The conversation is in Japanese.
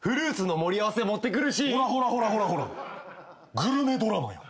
グルメドラマやん。